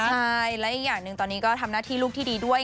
ใช่และอีกอย่างหนึ่งตอนนี้ก็ทำหน้าที่ลูกที่ดีด้วย